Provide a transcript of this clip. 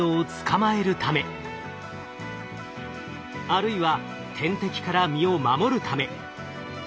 あるいは天敵から身を守るため。